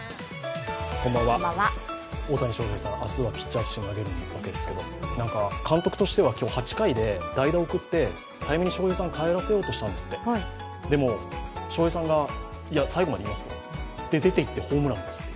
大谷翔平さん、明日はピッチャーとして投げるわけですけれども、監督としては今日８回で代打を送って、早めに翔平さんを帰らせようとしたんですってでも、翔平さんが最後までやりますと出ていってホームランを打った。